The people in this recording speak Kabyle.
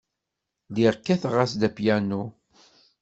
Lliɣ kkateɣ-as-d apyanu.